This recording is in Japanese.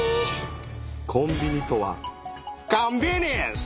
コンビニとはコンビニエンス！